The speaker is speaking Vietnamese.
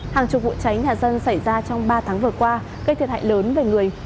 hàng chục vụ cháy nhà dân xảy ra trong ba tháng vừa qua gây thiệt hại lớn về người